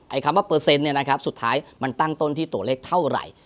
คำว่าเปอร์เซ็นต์เนี่ยนะครับสุดท้ายมันตั้งต้นที่ตัวเลขเท่าไหร่